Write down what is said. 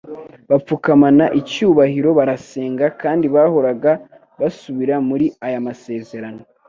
bapfukamana icyubahiro barasenga kandi bahoraga basubira muri aya masezerano